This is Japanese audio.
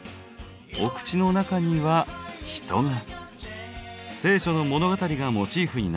お口の中には人が。